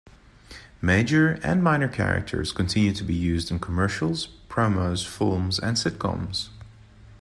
Major and minor characters continue to be used in commercials, promos, films and sitcoms.